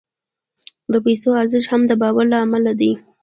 د پیسو ارزښت هم د باور له امله دی.